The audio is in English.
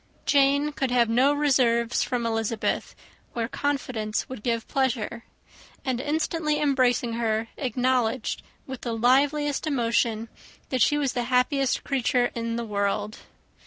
Jane could have no reserves from Elizabeth, where confidence would give pleasure; and, instantly embracing her, acknowledged, with the liveliest emotion, that she was the happiest creature in the world.